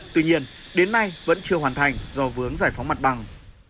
tuy nhiên đến nay vẫn chưa hoàn thành do vướng giải phóng mặt bằng